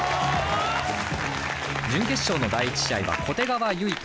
準決勝の第１試合は小手川結翔